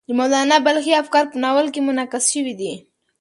د مولانا بلخي افکار په ناول کې منعکس شوي دي.